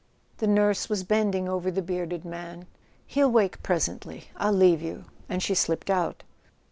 The nurse was bending over the bearded man. "He'll wake presently—I'll leave you"; and she slipped out.